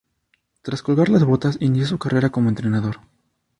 Tras colgar las botas, inició su carrera como entrenador.